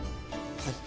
はい。